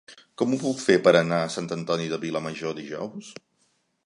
Com ho puc fer per anar a Sant Antoni de Vilamajor dijous?